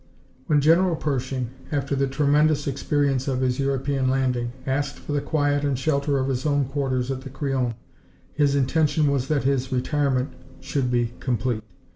When General Pershing, after the tremendous experience of his European landing, asked for the quiet and shelter of his own quarters at the Crillon, his intention was that his retirement should be complete.